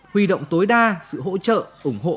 huy động tối đa sự hỗ trợ ủng hộ